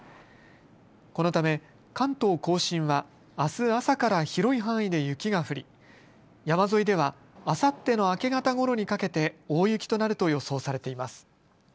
このため関東甲信はあす朝から広い範囲で雪が降り山沿いではあさっての明け方ごろにかけて大雪となると予想されています。